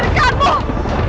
berhentikan ibu kepadamu